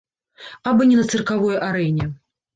Абы не на цыркавой арэне.